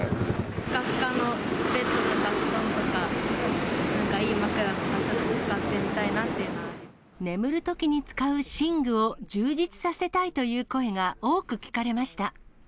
ふかふかのベッドとか布団とか、なんかいい枕とかちょっと使眠るときに使う寝具を充実させたいという声が多く聞かれました。